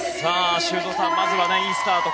修造さん、いいスタート。